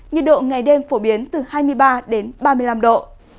nhiệt độ ngày đêm phổ biến từ hai mươi ba đến ba mươi năm độ